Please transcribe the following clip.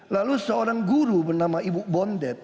lalu seorang guru bernama ibu bondet